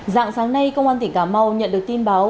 dạng sáng nay công an tỉnh cà mau nhận được tin báo